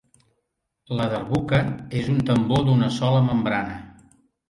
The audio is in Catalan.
La darbukka és un tambor d'una sola membrana.